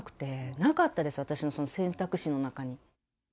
なかったです、私の選択肢の中に。